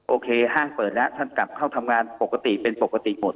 ห้างเปิดแล้วท่านกลับเข้าทำงานปกติเป็นปกติหมด